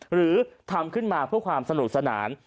หรือทำขึ้นมาเพื่อความสนุกสนาน